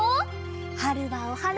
はるはおはなみ。